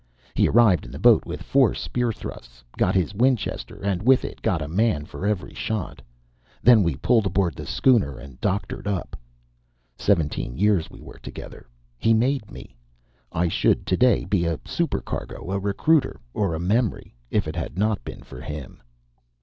He arrived in the boat with four spear thrusts, got his Winchester, and with it got a man for every shot. Then we pulled aboard the schooner, and doctored up. Seventeen years we were together. He made me. I should today be a supercargo, a recruiter, or a memory, if it had not been for him.